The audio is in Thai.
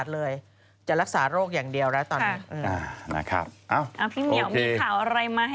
พี่ชอบแซงไหลทางอะเนาะ